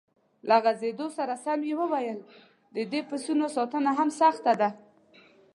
له غځېدو سره سم یې وویل: د دې پسونو ساتنه هم سخته ده.